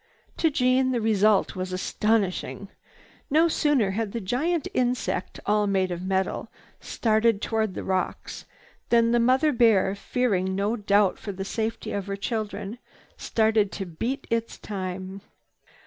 To Jeanne the result was astonishing. No sooner had the "giant insect," all made of metal, started toward the rocks than the mother bear, fearing no doubt for the safety of her children, started to beat its time.